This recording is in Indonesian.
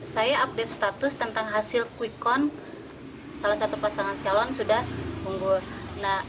saya update status tentang hasil quick count salah satu pasangan calon sudah unggul